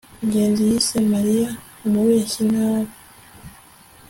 ngenzi yise mariya umubeshyi nabi